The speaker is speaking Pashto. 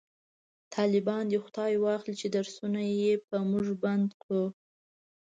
طالبان دی خداي واخلﺉ چې درسونه یې په موژ بند کړو